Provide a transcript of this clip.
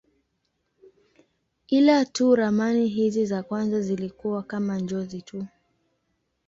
Ila tu ramani hizi za kwanza zilikuwa kama njozi tu.